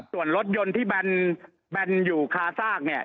ส่วนรถยนต์ที่แบนอยู่คาซากเนี่ย